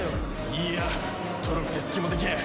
いいやとろくて隙もでけえ。